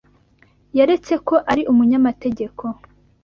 Yaretse ko ari umunyamategeko.